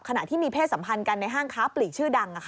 ขณะที่มีเพศสัมพันธ์กันในห้างค้าปลีกชื่อดัง